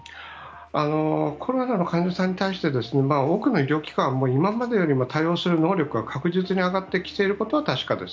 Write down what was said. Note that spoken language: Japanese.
コロナの患者さんに対して多くの医療機関も今まで以上に対応する能力が高くなっていることは確かです。